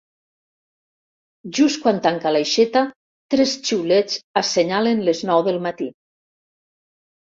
Just quan tanca l'aixeta tres xiulets assenyalen les nou del matí.